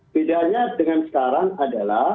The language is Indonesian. bedanya dengan sekarang adalah